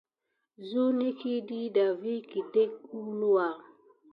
Zuneki diɗa vi kədek əwluwa.